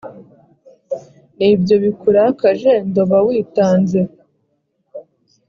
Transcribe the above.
ni byo bikurakaje ndoba witanze,